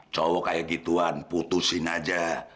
cowok kayak gituan putusin aja